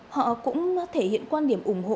họ cũng thể hiện quan điểm ủng hộ